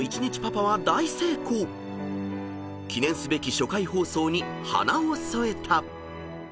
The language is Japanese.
［記念すべき初回放送に花を添えた］